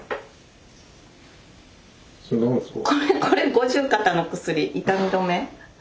それ何ですか？